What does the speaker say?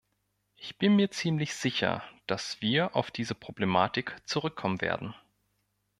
Ich bin mir ziemlich sicher, dass wir auf diese Problematik zurückkommen werden.